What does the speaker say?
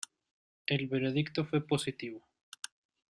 El veredicto fue positivo.